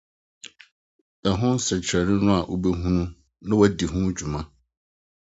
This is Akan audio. Ɛho Nsɛnkyerɛnne no a Wobehu na Wɔadi Ho Dwuma